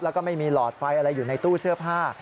แล้วก็ไม่มีหลอดไฟอะไรอยู่ในตู้เสื้อผ้า